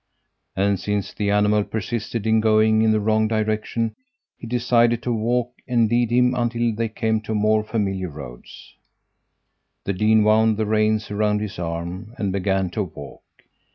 And, since the animal persisted in going in the wrong direction, he decided to walk and lead him until they came to more familiar roads. The dean wound the reins around his arm and began to walk.